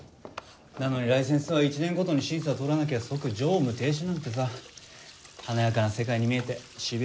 なのにライセンスは１年ごとに審査通らなきゃ即乗務停止なんてさ華やかな世界に見えてシビアだよな。